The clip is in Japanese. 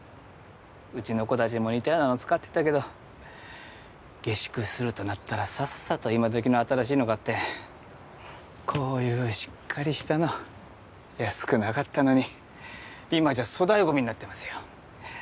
うちの子達も似たようなの使ってたけど下宿するとなったらさっさと今どきの新しいの買ってこういうしっかりしたの安くなかったのに今じゃ粗大ゴミになってますよ